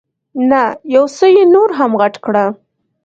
نه، یو څه یې نور هم غټ کړه.